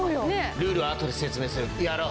ルールはあとで説明するやろう。